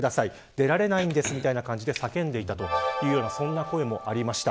出られないんですみたいな感じで叫んでいたという声もありました。